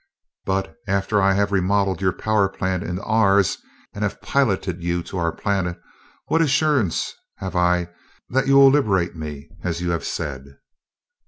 But, after I have remodeled your power plant into ours and have piloted you to our planet, what assurance have I that you will liberate me, as you have said?"